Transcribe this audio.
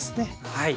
はい。